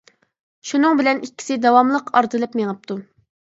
شۇنىڭ بىلەن ئىككىسى داۋاملىق ئارتىلىپ مېڭىپتۇ.